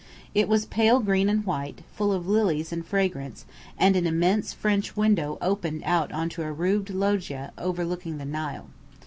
It was pale green and white, full of lilies and fragrance, and an immense French window opened out upon a roofed loggia overlooking the Nile.